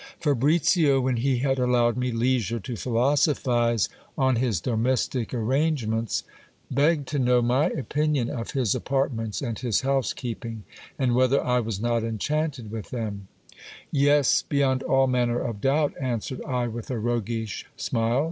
Fabricio, when he had allowed me leisure to philosophize on his domestic ar rangements, begged to know my opinion of his apartments and his housekeep ing, and whether I was not enchanted with them : Yes, beyond all manner of doubt, answered I with a roguish smile.